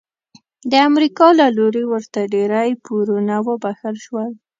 د امریکا له لوري ورته ډیری پورونه وبخښل شول.